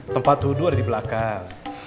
tempat wudhu ada di belakang